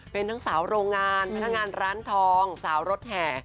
เป็นทั้งสาวโรงงานพนักงานร้านทองสาวรถแห่